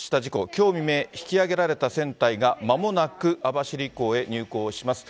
きょう未明、引き揚げられた船体がまもなく網走港へ入港します。